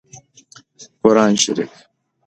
قران شريف